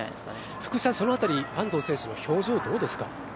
福士さん、その辺り、安藤選手の表情どうですか？